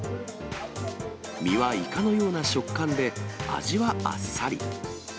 身はイカのような食感で、味はあっさり。